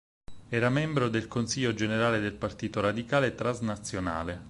Era membro del Consiglio generale del Partito Radicale Transnazionale.